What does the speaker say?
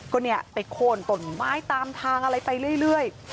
ก็เนี่ยไปโคนต้นไม้ตามทางอะไรไปเรื่อย